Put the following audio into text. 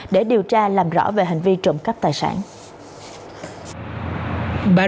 để điều tra làm rõ về hành vi trộm cắp tài sản